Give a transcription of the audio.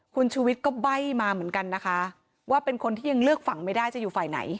คุณชูวิทย์ก็ใบ้มาเหมือนกันนะคะว่าเป็นคนที่ยังเลือกฝั่งไม่ได้จะอยู่ฝ่ายไหน